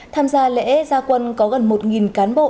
tham gia lễ gia quân có gần một cán bộ